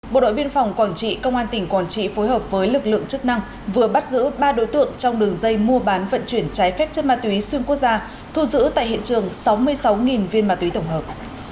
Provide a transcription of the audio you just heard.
bộ đội biên phòng quảng trị công an tỉnh quảng trị phối hợp với lực lượng chức năng vừa bắt giữ ba đối tượng trong đường dây mua bán vận chuyển trái phép chất ma túy xuyên quốc gia thu giữ tại hiện trường sáu mươi sáu viên ma túy tổng hợp